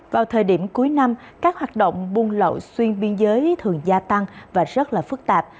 vào thời điểm cuối năm các hoạt động buôn lậu xuyên biên giới thường gia tăng và rất là phức tạp